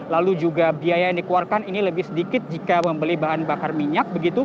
lalu juga biaya yang dikeluarkan ini lebih sedikit jika membeli bahan bakar minyak